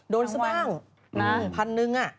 โดนซะบ้างน้าพันหนึ่งอ่ะ